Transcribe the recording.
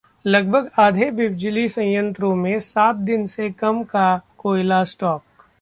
लगभग आधे बिजली संयंत्रों में सात दिन से कम का कोयला स्टॉक